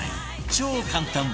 超簡単！